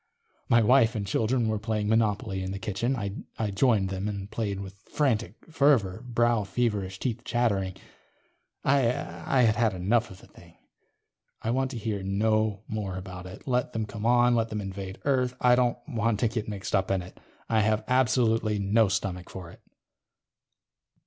My wife and children were playing Monopoly in the kitchen. I joined them and played with frantic fervor, brow feverish, teeth chattering. I had had enough of the thing. I want to hear no more about it. Let them come on. Let them invade Earth. I don't want to get mixed up in it. I have absolutely no stomach for it.